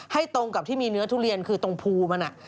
ตรงกับที่มีเนื้อทุเรียนคือตรงภูมัน